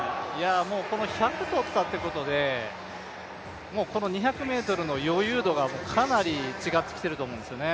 １００取ったってことで、２００ｍの余裕度がかなり違ってきていると思うんですよね。